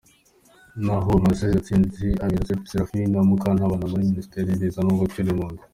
Naho Marcel Gatsinzi abisa Serafina Mukantabana muri minisiteri y’ibiza no gucyura impunzi.